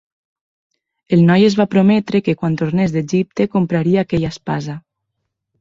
El noi es va prometre que, quan tornés d'Egipte, compraria aquella espasa.